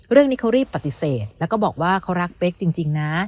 เรื่องนี้เขารีบปฏิเสธแล้วก็บอกว่าเขารักเป๊กจริงนะ